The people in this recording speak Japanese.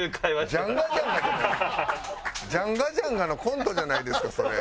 ジャンガジャンガのコントじゃないですかそれ。